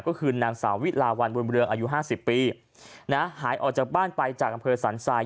ก็คือนางสาววิลาวัลอายุห้าสิบปีนะฮะหายออกจากบ้านไปจากอำเภอสันสาย